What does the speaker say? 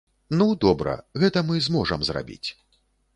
Ну, добра, гэта мы зможам зрабіць.